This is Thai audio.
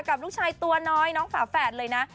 กับลูกชายตัวน้อยน้องฝาแฝดเลยนะ